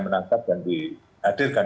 menangkap dan dihadirkan